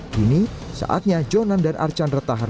kini saatnya jonan dan archandra tahar